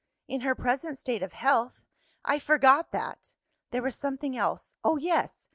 "In her present state of health? I forgot that. There was something else. Oh, yes!